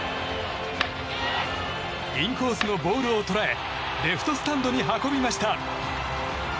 インコースのボールを捉えレフトスタンドに運びました。